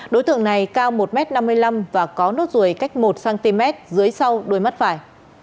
đối tượng này cao một m năm mươi năm và có nốt ruồi cách một cm dưới sau đuôi mắt phải